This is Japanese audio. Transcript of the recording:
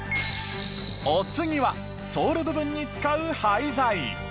お次はソール部分に使う廃材。